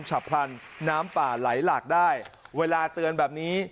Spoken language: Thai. ฉับพลันน้ำป่าไหลหลากได้เวลาเตือนแบบนี้